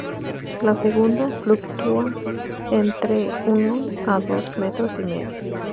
La segunda, fluctúa entre uno a dos metros y medio.